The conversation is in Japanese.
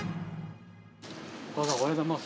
お母さん、おはようございます。